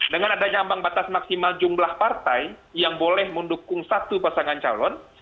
dengan adanya ambang batas maksimal jumlah partai yang boleh mendukung satu pasangan calon